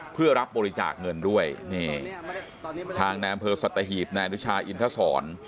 เพื่อรับบริจาคเงินด้วยทางแนมเพิร์ชสัตหิตแนนุชาอินทศร